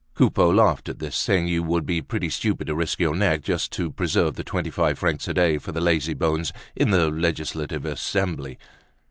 Coupeau laughed at this, saying you would be pretty stupid to risk your neck just to preserve the twenty five francs a day for the lazybones in the Legislative Assembly.